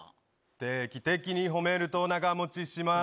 定期的に褒めると長持ちします。